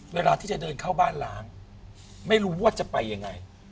เวลาที่จะเดินเข้าบ้านล้างไม่รู้ว่าจะไปยังไง